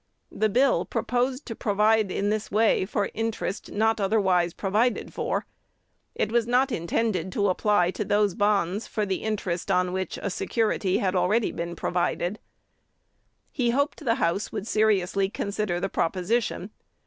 The bill proposed to provide in this way for interest not otherwise provided for. It was not intended to apply to those bonds for the interest on which a security had already been provided. "He hoped the House would seriously consider the proposition.